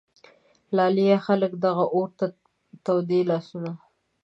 لالیه ! خلک دغه اور ته تودوي لاسونه